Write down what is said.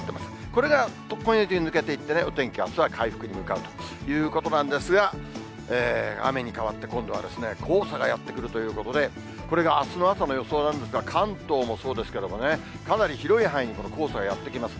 これが今夜中に抜けていって、お天気、あすは回復に向かうということなんですが、雨にかわって、今度は黄砂がやって来るということで、これがあすの朝の予想なんですが、関東もそうですけれどもね、かなり広い範囲、この黄砂がやって来ます。